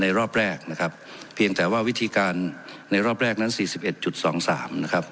รอบแรกนะครับเพียงแต่ว่าวิธีการในรอบแรกนั้นสี่สิบเอ็ดจุดสองสามนะครับ